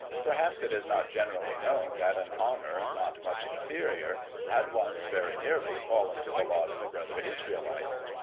Perhaps it is not generally known that an honour, not much inferior, had, once, very nearly fallen to the lot of a brother Israelite.